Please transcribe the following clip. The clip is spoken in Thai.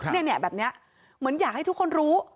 เนี่ยแบบนี้เหมือนอยากให้ทุกคนรู้